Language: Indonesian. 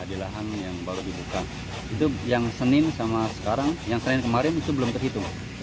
di lahan yang baru dibuka itu yang senin sama sekarang yang senin kemarin itu belum terhitung